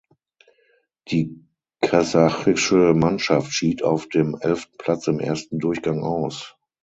Die kasachische Mannschaft schied auf dem elften Platz im ersten Durchgang aus.